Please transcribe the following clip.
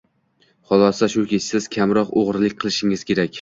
Xulosa shuki, siz kamroq o'g'rilik qilishingiz kerak!